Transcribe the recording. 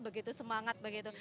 begitu semangat begitu